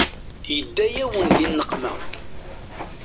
Yedda-yawen di nneqma.